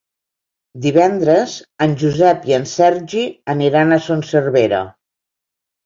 Divendres en Josep i en Sergi aniran a Son Servera.